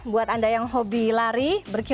buat anda yang hobi lari